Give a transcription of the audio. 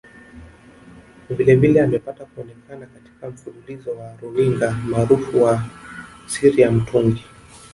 Vilevile amepata kuonekana katika mfululizo wa runinga maarufu wa Siri Ya Mtungi